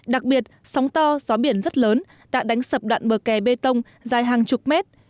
đặc biệt sóng to gió biển rất lớn đã đánh sập đoạn bờ kè bê tông dài hàng chục mét